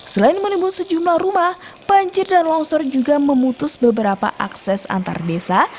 selain menimbun sejumlah rumah banjir dan longsor juga memutus beberapa akses antar desa